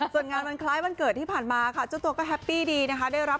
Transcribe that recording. ส่วนงานวันคล้ายวันเกิดที่ผ่านมาค่ะเจ้าตัวก็แฮปปี้ดีนะคะได้รับ